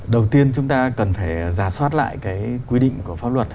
đầu tiên chúng ta cần phải giả soát lại cái quy định của pháp luật